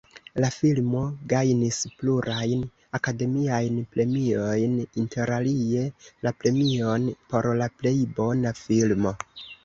La filmo gajnis plurajn Akademiajn Premiojn, interalie la premion por la plej bona filmo.